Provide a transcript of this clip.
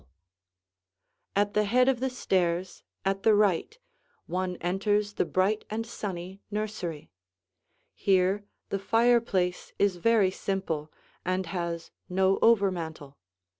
[Illustration: The Nursery] At the head of the stairs at the right, one enters the bright and sunny nursery. Here the fireplace is very simple and has no over mantel.